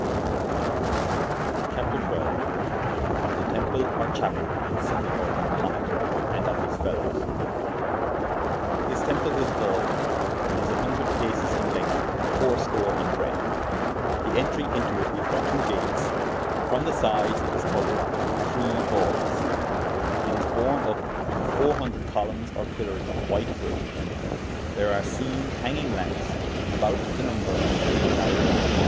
CHAPTER XII.Of the Temple or Chapell, and Sepulchre of Mahumet, and of his Felowes. His temple is vaulted, and is a hundred pases in length, fourscore in breadth; the entry into it is by two gates; from the sydes it is couered with three vaultes; it is borne vp with four hundred columnes or pillers of white brick; there are seene, hanging lampes, about the number of three thousande.